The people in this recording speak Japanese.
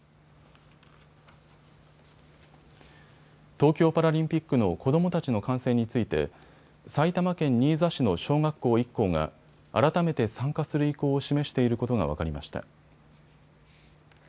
東京パラリンピックの子どもたちの観戦について埼玉県新座市の小学校１校が改めて参加する意向を示していることが分かりました。